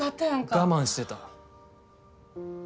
我慢してた。